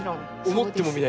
思ってもみないような。